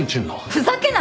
ふざけないでよ！